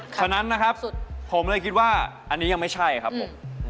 ฉะนั้นนะครับผมเลยคิดว่าอันนี้ยังไม่ใช่ครับผม